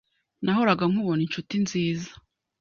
Nahoraga nkubona inshuti nziza.